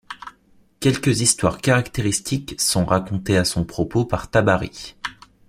Quelques histoires caractéristiques sont racontées à son propos par Tabari.